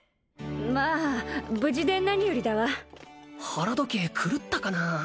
まあ無事で何よりだわ腹時計狂ったかな？